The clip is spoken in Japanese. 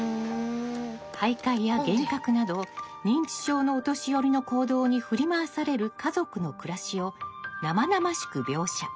徘徊や幻覚など認知症のお年寄りの行動に振り回される家族の暮らしを生々しく描写。